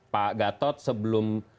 pak gatot sebelum